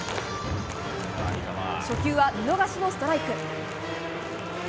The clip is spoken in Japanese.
初球は見逃しのストライク。